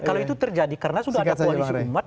kalau itu terjadi karena sudah ada koalisi umat